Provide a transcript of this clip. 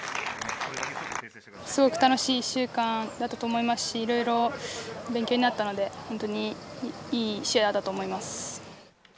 すごく楽しい１週間だったと思いますし、いろいろ勉強になったので、いい試合だったと思います。